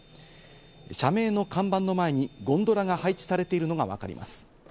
社名の看板の前にゴンドラが配置されているのがわかります。